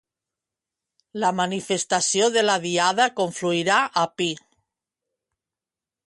La manifestació de la Diada confluirà a Pl.